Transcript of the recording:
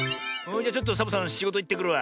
じゃちょっとサボさんしごといってくるわ。